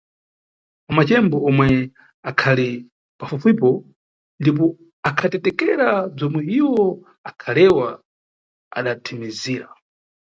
Mamacembo, omwe akhali pafufipo ndipo akhatetekera bzomwe iwo akhalewa, adathimizira.